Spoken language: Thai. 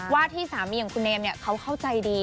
ว่าที่สามีอย่างคุณเนมเขาเข้าใจดี